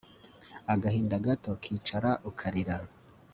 agahinda gato kicara ukarira